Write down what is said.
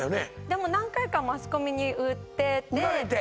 でも何回かマスコミに売ってて売られて？